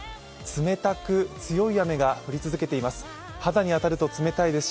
冷たく強い雨が降り続けています。